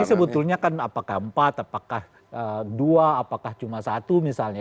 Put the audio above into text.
tapi sebetulnya kan apakah empat apakah dua apakah cuma satu misalnya